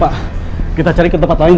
tidak ada tempat lain